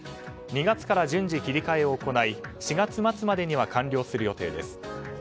２月から順次、切り替えを行い４月末までには完了する予定です。